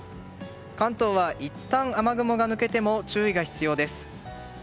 関東は、いったん雨雲が抜けても注意が必要です。